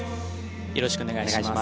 よろしくお願いします。